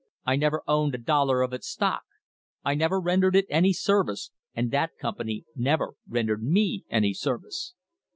I never owned a dollar of its stock; I never rendered it any service, and that company never ren dered me any service.